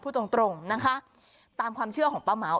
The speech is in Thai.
ตรงนะคะตามความเชื่อของป้าเหมา